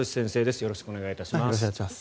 よろしくお願いします。